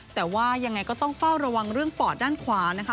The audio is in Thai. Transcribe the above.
แต่ว่ายังไงก็ต้องเฝ้าระวังเรื่องปอดด้านขวานะคะ